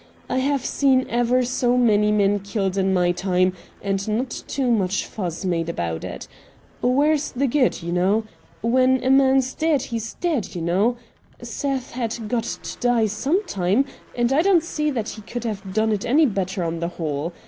I have seen ever so many men killed in my time, and not too much fuss made about it. Where's the good, you know ? When a man's dead, he's dead, you know. Seth had got to die some time, and I don't see that he could have done it any better on the whole.